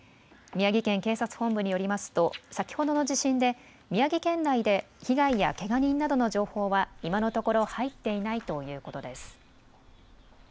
宮城県警察本部によりますと先ほどの地震で宮城県内で被害やけが人などの情報は今のところ入っていないということです。